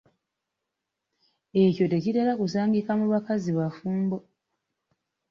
Ekyo tekitera kusangika mu bakazi bafumbo.